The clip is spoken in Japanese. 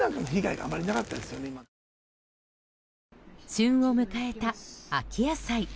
旬を迎えた秋野菜。